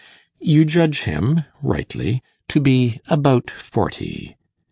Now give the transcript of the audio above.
You judge him, rightly, to be about forty.